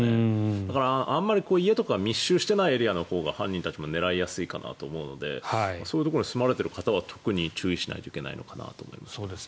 だから、あまり家とか密集していないエリアのほうが犯人たちも狙いやすいかなと思うのでそういうところに住まわれている方は注意しないといけないですね。